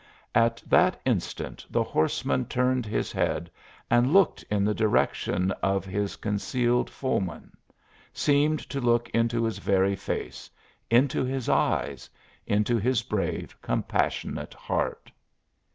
At that instant the horseman turned his head and looked in the direction of his concealed foeman seemed to look into his very face, into his eyes, into his brave, compassionate heart.